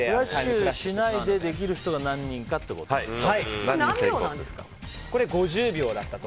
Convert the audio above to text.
クラッシュしないでできる人が何人かってことね。